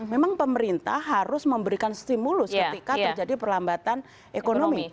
memang pemerintah harus memberikan stimulus ketika terjadi perlambatan ekonomi